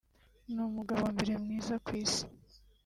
ni umugabo wa mbere mwiza ku Isi”